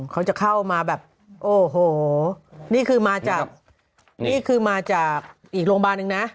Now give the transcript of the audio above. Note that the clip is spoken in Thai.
เขาจะเข้ามาแบบโอ้โหนี่คือมาจากอีกโรงพยาบาลหนึ่งนะ